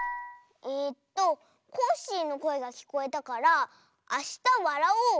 えっとコッシーのこえがきこえたから「あしたわらおう」？